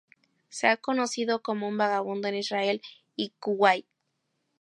Se ha conocido como un vagabundo en Israel y Kuwait.